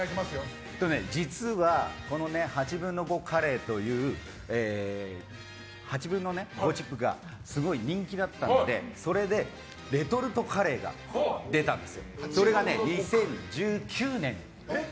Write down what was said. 実は５／８カレーという５／８チップがすごい人気だったのでそれでレトルトカレーが出ましてそれが２０１９年。